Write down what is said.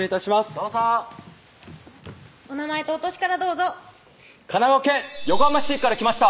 どうぞお名前とお歳からどうぞ神奈川県横浜市から来ました